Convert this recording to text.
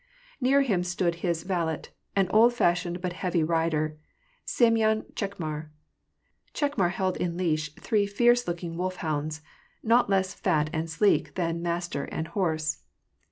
Near him stood his valet, an old fashioned but heavy rider, Semyon Chekmar. Chekmar held in leash three fierce looking wolf hounds, not less fat and sleek than master and horse.